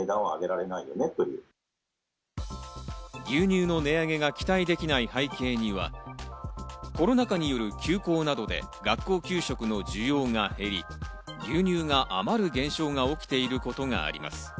牛乳の値上げが期待できない背景には、コロナ禍による休校などで学校給食の需要が減り、牛乳が余る現象が起きていることがあります。